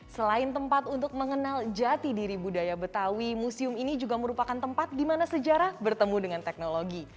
selain tempat untuk mengenal jati diri budaya betawi museum ini juga merupakan tempat di mana sejarah bertemu dengan teknologi